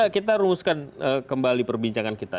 kita rumuskan kembali perbincangan kita